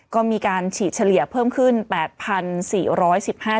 ก็มีการฉีดเฉลี่ยเพิ่มขึ้น๘๔๑๕